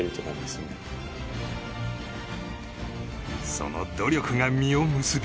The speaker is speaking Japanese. その努力が実を結び。